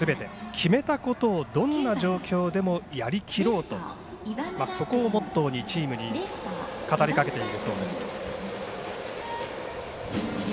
決めたことをどんな状況でもやりきろうとそこをモットーにチームに語りかけているそうです。